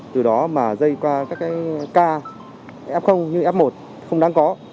từ đó mà dây qua các cái k f như f một không đáng có